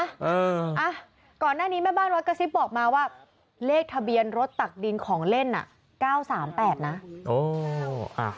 อ่ะก่อนหน้านี้แม่บ้านวัดกระซิบบอกมาว่าเลขทะเบียนรถตักดินของเล่นอ่ะ๙๓๘นะ